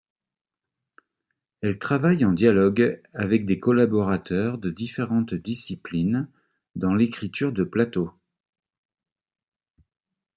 Elle travaille en dialogue avec des collaborateurs de différentes disciplines dans l’écriture de plateau.